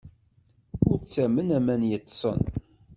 Ur ttamen aman yeṭṭsen.